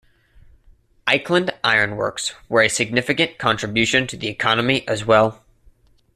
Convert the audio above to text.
Eikeland Ironworks were a significant contribution to the economy as well.